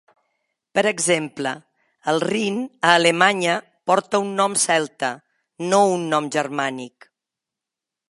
Per exemple, el Rin a Alemanya porta un nom celta, no un nom germànic.